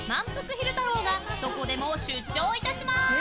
昼太郎がどこでも出張いたしまーす！